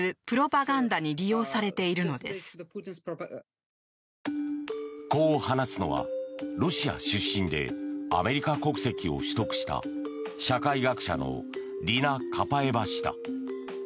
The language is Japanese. ロシアの歴史を研究している社会学者はこう話すのは、ロシア出身でアメリカ国籍を取得した社会学者のディナ・カパエバ氏だ。